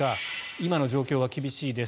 今の状況は厳しいです。